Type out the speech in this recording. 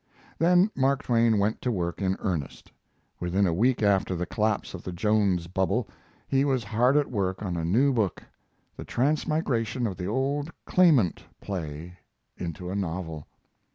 Then Mark Twain went to work in earnest. Within a week after the collapse of the Jones bubble he was hard at work on a new book the transmigration of the old "Claimant" play into a novel.